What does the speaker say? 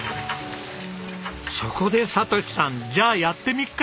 そこで聰さん「じゃあやってみっか？